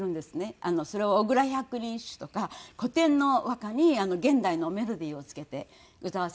それは『小倉百人一首』とか古典の和歌に現代のメロディーを付けて歌わせていただいております。